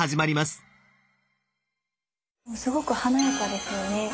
すごく華やかですよね美しくて。